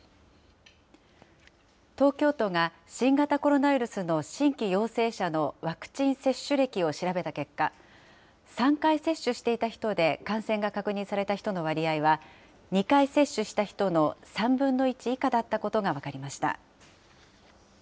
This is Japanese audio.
東京都が新型コロナウイルスの新規陽性者のワクチン接種歴を調べた結果、３回接種していた人で感染が確認された人の割合は、２回接種した人の３分の１以下だったことが分かりました。